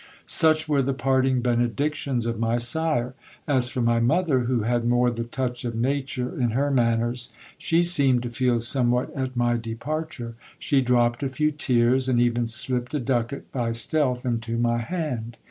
Such were the parting benedictions of my sire. As for my mother, who had more the touch of" nature in her manners, she seemed to feel somewhat at my departure. She dropped a few tears, and even slipped a ducat by stealth into my hand.